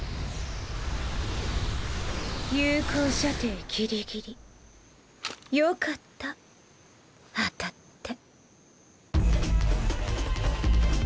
有効射程ギリギリ。よかった当たって。